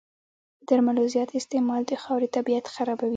د درملو زیات استعمال د خاورې طبعیت خرابوي.